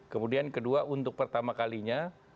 kemudian kedua untuk pertama kalinya